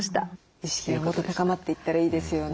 意識がもっと高まっていったらいいですよね。